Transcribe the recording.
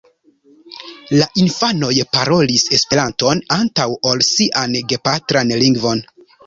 La infanoj parolis Esperanton antaŭ ol sian gepatran lingvon.